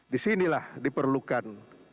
di sini lah diperlukan